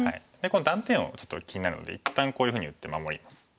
この断点をちょっと気になるので一旦こういうふうに打って守ります。